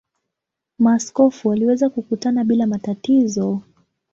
Maaskofu waliweza kukutana bila matatizo.